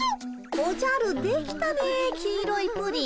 おじゃるできたね黄色いプリン。